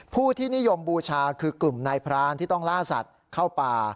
ผู้ที่นิยมบูชาคือกลุ่มนายพรานที่ต้องล่าสัตว์เข้าป่า